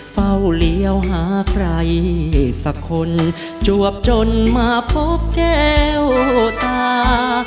เฝ้าเลี้ยวหาใครสักคนจวบจนมาพบแก้วตา